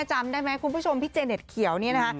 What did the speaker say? จำได้ไหมคุณผู้ชมพี่เจเน็ตเขียวนี่นะคะ